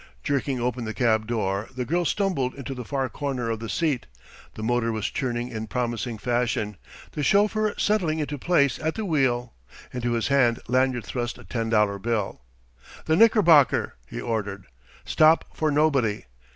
Jerking open the cab door, the girl stumbled into the far corner of the seat. The motor was churning in promising fashion, the chauffeur settling into place at the wheel. Into his hand Lanyard thrust a ten dollar bill. "The Knickerbocker," he ordered. "Stop for nobody.